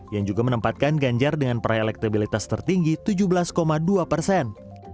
yang juga menempatkan ganjar dengan proyek elektabilitas tertinggi tujuh belas dua persen